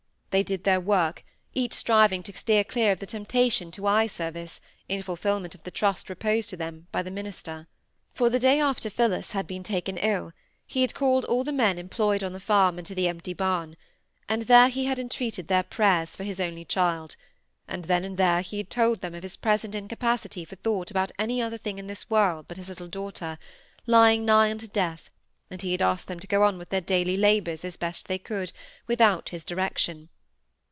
They did their work, each striving to steer clear of the temptation to eye service, in fulfilment of the trust reposed in them by the minister. For the day after Phillis had been taken ill, he had called all the men employed on the farm into the empty barn; and there he had entreated their prayers for his only child; and then and there he had told them of his present incapacity for thought about any other thing in this world but his little daughter, lying nigh unto death, and he had asked them to go on with their daily labours as best they could, without his direction.